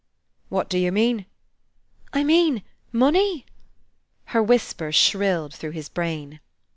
"What do you mean?" "I mean money." Her whisper shrilled through his brain.